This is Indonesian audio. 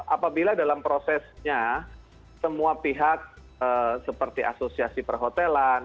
apabila dalam prosesnya semua pihak seperti asosiasi perhotelan